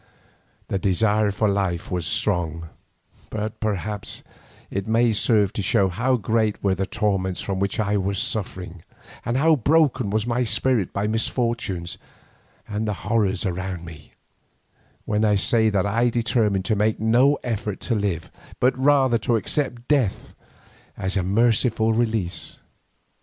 The desire for life was strong, but perhaps it may serve to show how great were the torments from which I was suffering, and how broken was my spirit by misfortunes and the horrors around me, when I say that I determined to make no further effort to live, but rather to accept death as a merciful release.